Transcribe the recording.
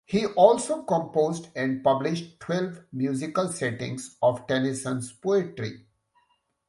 He also composed and published twelve musical settings of Tennyson's poetry.